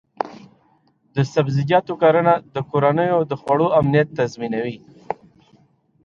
د سبزیجاتو کرنه د کورنیو د خوړو امنیت تضمینوي.